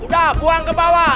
udah buang ke bawah